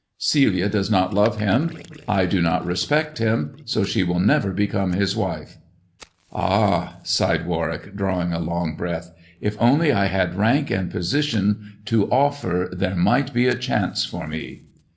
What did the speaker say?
Celia does not love him, I do not respect him, so she will never become his wife." " Ah !" sighed Warwick, drawing a long breath, " if only I had rank and position to offer, there might be a chance for me."